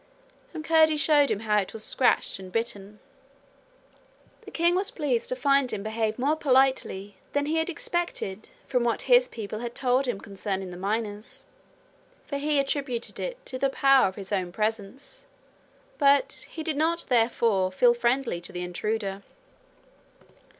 And Curdie showed him how he was scratched and bitten. The king was pleased to find him behave more politely than he had expected from what his people had told him concerning the miners, for he attributed it to the power of his own presence; but he did not therefore feel friendly to the intruder.